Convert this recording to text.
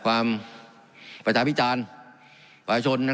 การปรับปรุงทางพื้นฐานสนามบิน